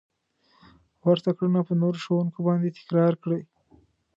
ورته کړنه په نورو ښودونکو باندې تکرار کړئ.